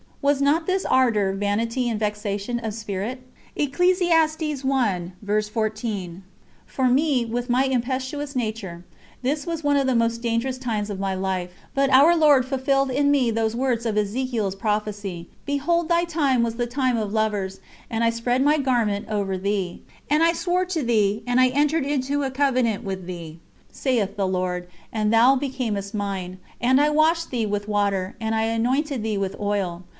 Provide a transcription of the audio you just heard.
Was not this ardour "vanity and vexation of spirit"? For me, with my impetuous nature, this was one of the most dangerous times of my life, but Our Lord fulfilled in me those words of Ezechiel's prophecy: "Behold thy time was the time of lovers: and I spread my garment over thee. And I swore to thee, and I entered into a covenant with thee, saith the Lord God, and thou becamest Mine. And I washed thee with water, and I anointed thee with oil.